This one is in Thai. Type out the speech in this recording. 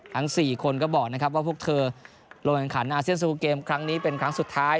๔คนก็บอกนะครับว่าพวกเธอลงแข่งขันอาเซียนสกูลเกมครั้งนี้เป็นครั้งสุดท้าย